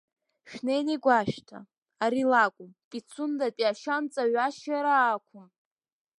Шәнеины игәашәҭа, ари лакәым, Пицундатәи ашьанҵа ҩашьара ақәым.